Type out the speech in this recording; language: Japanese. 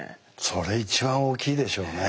それ一番大きいでしょうね。